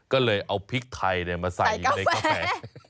ก็เลยเอาพริกไทยมาใส่อยู่ในกาแฟ